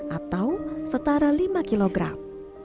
atau setara lima kilogram